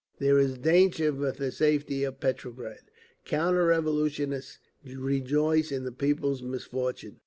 There is danger for the safety of Petrograd…. Counter revolutionists rejoice in the people's misfortunes….